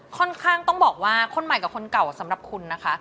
ค่อนข้างต้องบอกว่าคนใหม่กับคนเก่าสำหรับคุณนะคะ